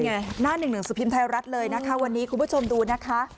นี่ไงหน้าหนึ่งจุภิมพ์ไทยรัฐเลยคุณผู้ชมดูนะฮะ